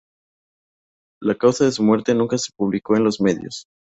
La causa de su muerte nunca se publicó en los medios.